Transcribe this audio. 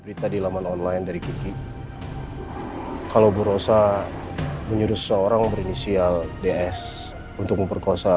berita di laman online dari kiki kalau buruhsa menyuruh seorang berinisial ds untuk memperkuasa